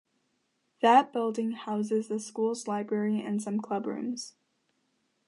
That building houses the school's library and some club rooms.